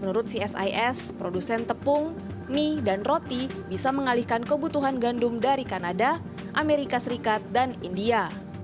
menurut csis produsen tepung mie dan roti bisa mengalihkan kebutuhan gandum dari kanada amerika serikat dan india